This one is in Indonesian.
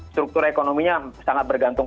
struktur ekonominya sangat bergantung